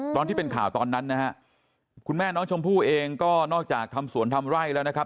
ตอนที่เป็นข่าวตอนนั้นนะฮะคุณแม่น้องชมพู่เองก็นอกจากทำสวนทำไร่แล้วนะครับ